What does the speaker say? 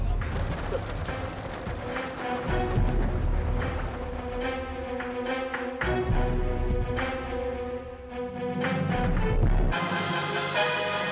kau budi besar kalau sama dia